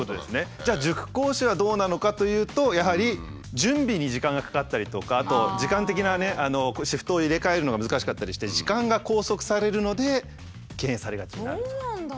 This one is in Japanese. じゃあ塾講師はどうなのかというとやはり準備に時間がかかったりとかあと時間的なねシフトを入れ替えるのが難しかったりして時間が拘束されるので敬遠されがちになるということなんです。